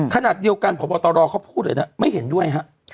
ขณะเดียวกันพบตรเขาพูดเลยนะไม่เห็นด้วยฮะ